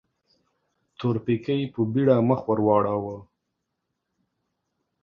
تورپيکۍ په بيړه مخ ور واړاوه.